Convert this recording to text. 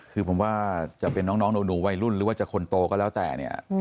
คือผมว่าจะเป็นน้องหนูวัยรุ่นหรือว่าจะคนโตก็แล้วแต่เนี่ย